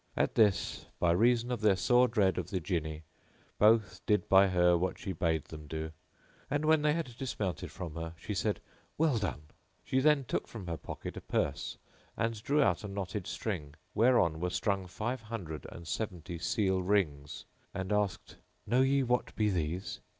At this, by reason of their sore dread of the Jinni, both did by her what she bade them do; and, when they had dismounted from her, she said, "Well done!" She then took from her pocket a purse and drew out a knotted string, whereon were strung five hundred and seventy[FN#17] seal rings, and asked, "Know ye what be these?"